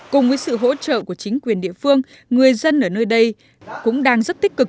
cùng với sự hỗ trợ của chính quyền địa phương người dân ở nơi đây cũng đang rất tích cực